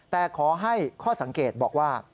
แต่ขอให้ข้อสังเกตบอกว่า